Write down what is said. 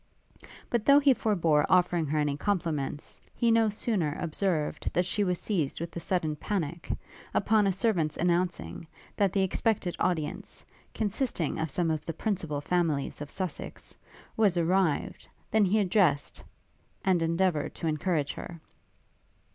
But though he forbore offering her any compliments, he no sooner observed that she was seized with a sudden panic, upon a servant's announcing, that the expected audience, consisting of some of the principal families of Sussex, was arrived, than he addressed, and endeavoured to encourage her.